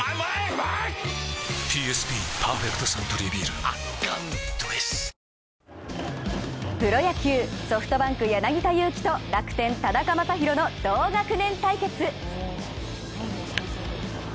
世界最高、６ｍ２ｃｍでプロ野球、ソフトバンク・柳田悠岐と楽天・田中将大の同学年対決。